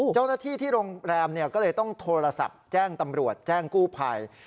เจ้าหน้าที่ที่โรงแรมก็เลยต้องโทรศัพท์แจ้งตำรวจแจ้งกู้ภัย